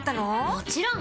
もちろん！